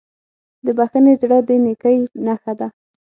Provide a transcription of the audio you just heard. د بښنې زړه د نیکۍ نښه ده.